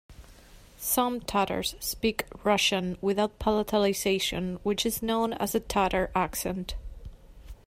Some Tatars speak Russian without palatalisation, which is known as a "Tatar accent".